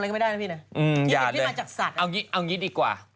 จะเอาแบบนี้ดีกว่า